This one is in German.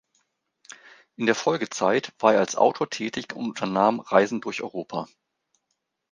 In der Folgezeit war er als Autor tätig und unternahm Reisen durch Europa.